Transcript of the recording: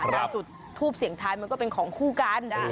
จุดทูปเสียงท้ายมันก็เป็นของคู่กัน